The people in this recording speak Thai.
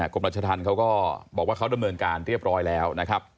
กรมรัชธรรมเขาก็บอกว่าเขาดำเนินการเรียบร้อยแล้วนะครับ